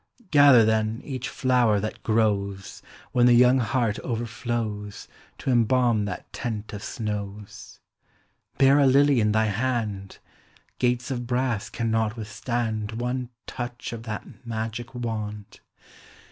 Gather, theu. each flower that grows, When the young heart overflows, To embalm that tent of snows. Hear a lily in thy hand; Gates of brass cannot withstand One touch of that magic wand.